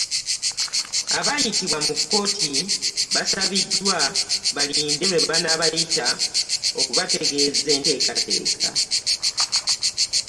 Abaayitibwa mu kkooti basabiddwa balinde lwe banaabayita okubategeeza enteekateeka.